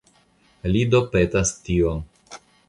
Li do petas tion.